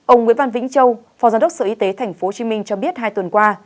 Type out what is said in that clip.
ông nguyễn văn vĩnh châu phó giám đốc sở y tế tp hcm cho biết hai tuần qua